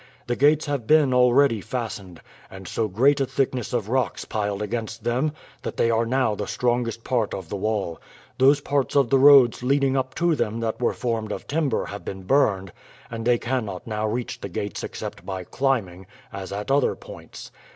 The gates have been already fastened, and so great a thickness of rocks piled against them that they are now the strongest part of the wall; those parts of the roads leading up to them that were formed of timber have been burned, and they cannot now reach the gates except by climbing, as at other points.